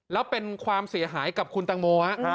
แล้วเป็นความเสียหายกับคุณตังโม